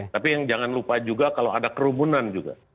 tapi yang jangan lupa juga kalau ada kerumunan juga